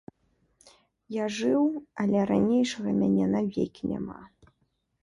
Я жыў, але ранейшага мяне навекі няма.